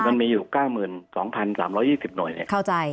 มันมีอยู่๙๒๓๒๐หน่วย